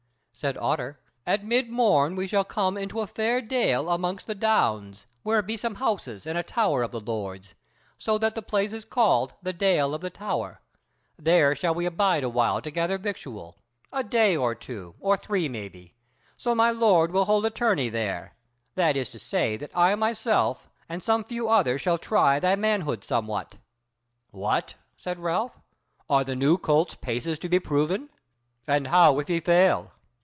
Said Otter, "At mid morn we shall come into a fair dale amidst the downs, where be some houses and a tower of the Lord's, so that that place is called the Dale of the Tower: there shall we abide a while to gather victual, a day or two, or three maybe: so my Lord will hold a tourney there: that is to say that I myself and some few others shall try thy manhood somewhat." "What?" said Ralph, "are the new colt's paces to be proven? And how if he fail?"